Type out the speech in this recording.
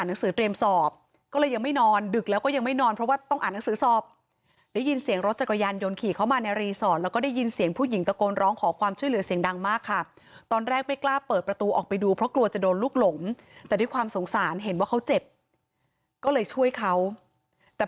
หนังสือเตรียมสอบก็เลยยังไม่นอนดึกแล้วก็ยังไม่นอนเพราะว่าต้องอ่านหนังสือสอบได้ยินเสียงรถจักรยานยนต์ขี่เข้ามาในรีสอร์ทแล้วก็ได้ยินเสียงผู้หญิงตะโกนร้องขอความช่วยเหลือเสียงดังมากค่ะตอนแรกไม่กล้าเปิดประตูออกไปดูเพราะกลัวจะโดนลูกหลงแต่ด้วยความสงสารเห็นว่าเขาเจ็บก็เลยช่วยเขาแต่